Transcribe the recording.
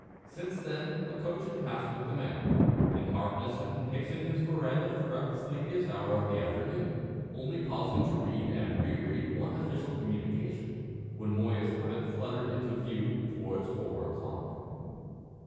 Since then the coach had passed with the mail; and Harkness had been pacing his verandah throughout the sleepiest hour of the afternoon, only pausing to read and re read one official communication, when Moya's habit fluttered into view towards four o'clock.